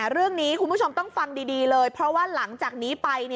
เรื่องนี้คุณผู้ชมต้องฟังดีเลยเพราะว่าหลังจากนี้ไป